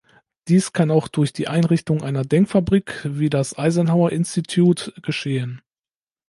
Dies kann auch durch die Einrichtung einer Denkfabrik, wie das Eisenhower Institute, geschehen.